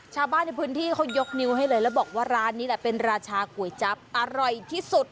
ชาวบ้านในพื้นที่เขายกนิ้วให้เลยแล้วบอกว่าร้านนี้แหละเป็นราชาก๋วยจั๊บอร่อยที่สุด